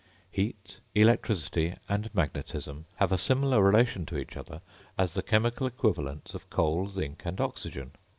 Heat, electricity, and magnetism, have a similar relation to each other as the chemical equivalents of coal, zinc, and oxygen.